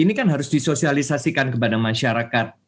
ini kan harus disosialisasikan kepada masyarakat